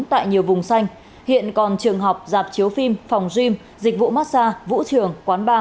tại nhiều vùng xanh hiện còn trường học giạp chiếu phim phòng gym dịch vụ massage vũ trường quán bar chưa mở lại